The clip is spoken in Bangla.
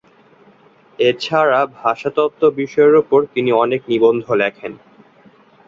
এ ছাড়া ভাষাতত্ত্ব বিষয়ের ওপর তিনি অনেক নিবন্ধ লেখেন।